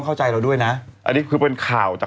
เข้าใจเราด้วยนะอันนี้คือเป็นข่าวจาก